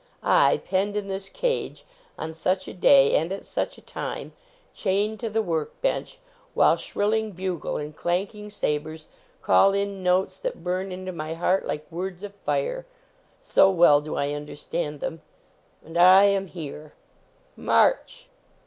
I penned in this cage on such a day and at such a time; chained to the work bench, while shrilling bugle and 132 THE BATTLE OF ARDMORE clanking sabers call in notes that burn into my heart like words of fire, so well do I un derstand them. And I am here! "March!"